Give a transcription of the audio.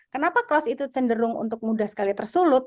kenapa cross itu cenderung untuk mudah sekali tersulut